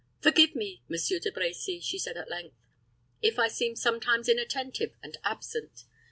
"Forgive me, Monsieur De Brecy," she said, at length, "if I seem sometimes inattentive and absent.